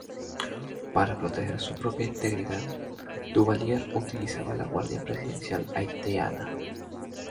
Para proteger su propia integridad, Duvalier utilizaba la Guardia Presidencial haitiana.